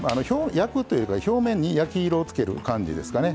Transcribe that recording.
焼くというか表面に焼き色をつける感じですかね。